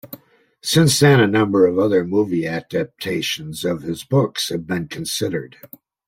Since then, a number of other movie adaptations of his books have been considered.